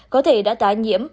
có thể đã tá nhiễm